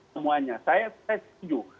semuanya saya setuju